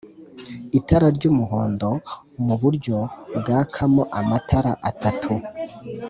itara ry'umuhondo mu buryo bwakamo amatara atatu.